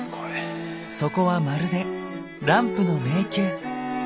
そこはまるでランプの迷宮。